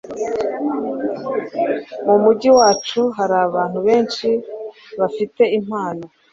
mu mujyi wacu hari abantu benshi bafite impano